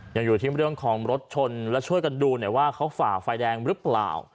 ยังอยู่ที่เรื่องของรถชนและช่วยกันดูหน่อยว่าเขาฝ่าไฟแดงหรือเปล่า